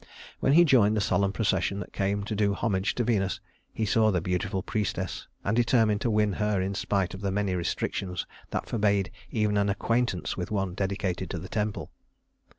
When he joined the solemn procession that came to do homage to Venus, he saw the beautiful priestess and determined to win her in spite of the many restrictions that forbade even an acquaintance with one dedicated to the temple.